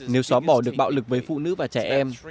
nếu xóa bỏ được bạo lực với phụ nữ và trẻ em